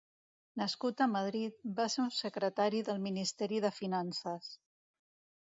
Nascut a Madrid, va ser un secretari del ministeri de finances.